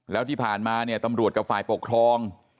แล้วที่ผ่านมาเนี่ยตำรวจกับฝ่ายปกครอง